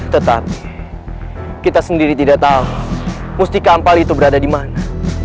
tetapi kita sendiri tidak tahu mustika ampal itu berada di mana